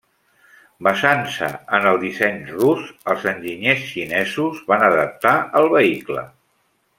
Basant-se en el disseny rus, els enginyers xinesos van adaptar el vehicle.